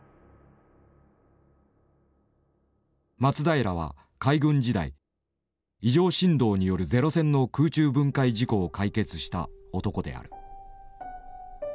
松平は海軍時代異常振動によるゼロ戦の空中分解事故を解決した男である。